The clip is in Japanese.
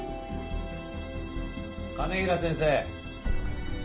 兼平先生。